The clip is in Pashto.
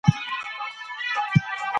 په پاک زړه دعا قبلیږي.